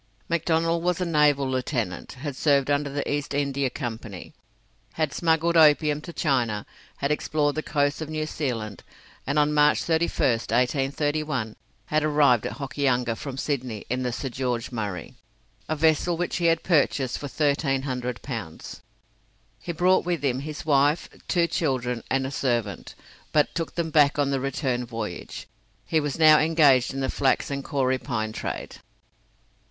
McDonnell was a naval lieutenant; had served under the East India Company; had smuggled opium to China; had explored the coasts of New Zealand; and on March 31st, 1831, had arrived at Hokianga from Sydney in the 'Sir George Murray', a vessel which he had purchased for 1,300 pounds. He brought with him his wife, two children, and a servant, but took them back on the return voyage. He was now engaged in the flax and kauri pine trade.